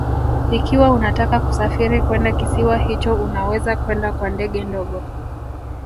Ikiwa unataka kusafiri kwenda kisiwa hicho unaweza kwenda kwa ndege ndogo